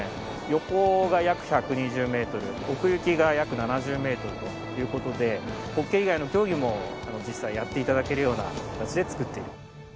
横が約１２０メートル奥行きが約７０メートルという事でホッケー以外の競技も実際やって頂けるような形で造っている。